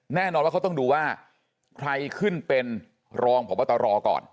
แน่นอนว่าเขาต้องดูว่าใครขึ้นเป็นรองพบตรก่อน